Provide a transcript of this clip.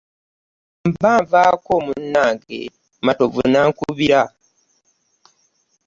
Mba nvaako munnange Matovu nankubira .